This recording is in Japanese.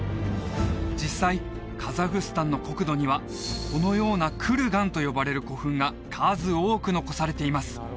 実際カザフスタンの国土にはこのようなクルガンと呼ばれる古墳が数多く残されています